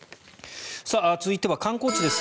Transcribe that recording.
続いては観光地です。